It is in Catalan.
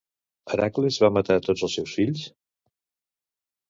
Heracles va matar tots els seus fills?